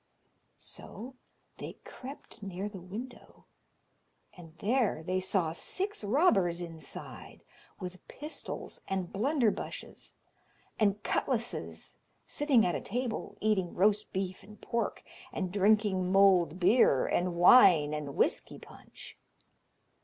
So they crept near the window, and there they saw six robbers inside, with pistols, and blunderbushes, and cutlashes, sitting at a table, eating roast beef and pork, and drinking mulled beer, and wine, and whisky punch.